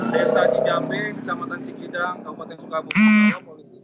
desa cijambe kecamatan cikidang kabupaten sukabumi jawa barat